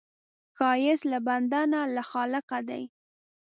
ښایست له بنده نه، له خالقه دی